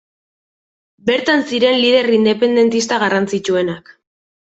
Bertan ziren lider independentista garrantzitsuenak.